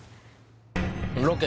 ロケ